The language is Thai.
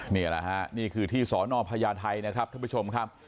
นี่แหละฮะนี่คือที่สนพญาไทยนะครับท่านผู้ชมครับ